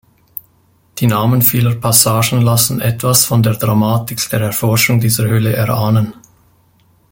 Die Namen vieler Passagen lassen etwas von der Dramatik der Erforschung dieser Höhle erahnen.